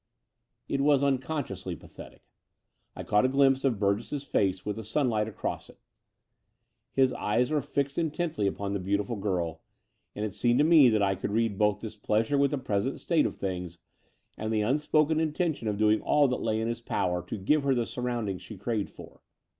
It was unconsciously pathetic. I caught a glimpse of Burgess's face with the sun light across it. His eyes were fixed intently upon the beautiful girl: and it seemed to me that I could read both displeasure with the present state of things and the unspoken intention of doing all that lay in his power to give her the surroundings she craved for.